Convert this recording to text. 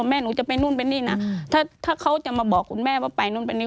แม่หนูจะไปนู่นไปนี่นะถ้าถ้าเขาจะมาบอกคุณแม่ว่าไปนู่นไปนี่